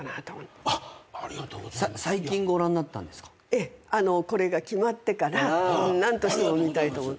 ええこれが決まってから何としても見たいと思って。